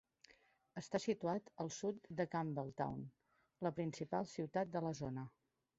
Està situat al sud de Campbeltown, la principal ciutat de la zona.